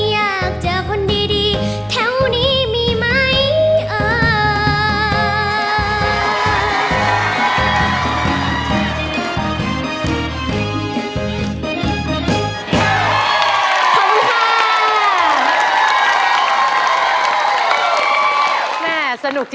อยากเจอคนดีแถวนี้มีไหมเอ่ย